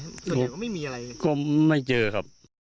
ส่วนใหญ่ก็ไม่มีอะไรก็ไม่เจอครับ